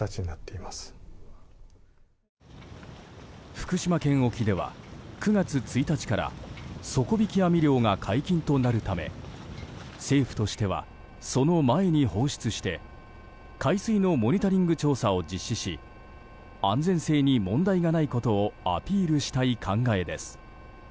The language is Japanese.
福島県沖では、９月１日から底引き網漁が解禁となるため政府としては、その前に放出して海水のモニタリング調査を実施し安全性に問題がないことをアピールしたい考えです。